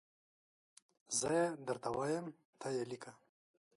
زه یي درته وایم ته یي لیکه